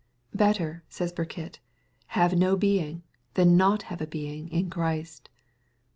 " Better/' says Burkitt, "have no being, than not have a beingin Christ."